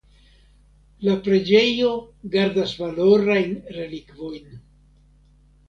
La preĝejo gardas valorajn relikvojn.